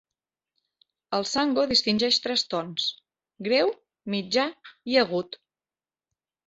El sango distingeix tres tons: greu, mitjà i agut.